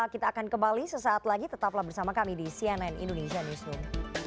kita akan kembali sesaat lagi tetaplah bersama kami di cnn indonesia newsroom